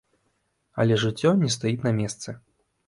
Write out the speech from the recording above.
Але жыццё не стаіць на месцы.